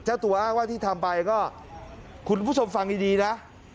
เจ้าตัวอ้างว่าที่ทำไปก็คุณผู้ชมฟังดีนะ